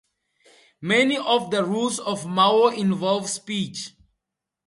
Many of the rules of Mao involve speech.